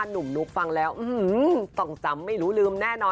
นุกขอให้ได้แฟน